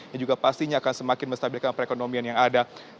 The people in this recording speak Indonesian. yang juga pastinya akan semakin menstabilkan perekonomian yang ada